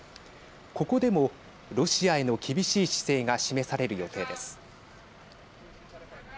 ここでもロシアへの厳しい姿勢が示される予定です。